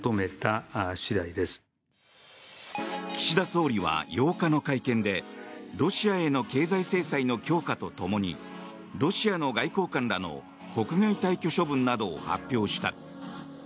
岸田総理は８日の会見でロシアへの経済制裁の強化とともにロシアの外交官らの国外退去処分などを発表した。